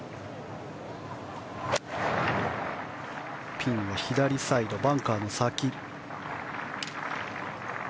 ピンの左サイド、バンカーの先。